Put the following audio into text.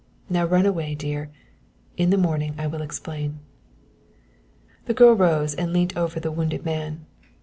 Now run away, dear in the morning I will explain." The girl rose and leant over the wounded man.